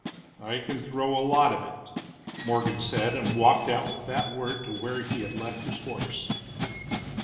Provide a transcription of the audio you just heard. "I can throw a lot of it," Morgan said, and walked out with that word to where he had left his horse.